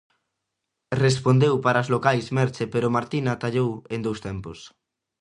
Respondeu para as locais Merche pero Martina atallou en dous tempos.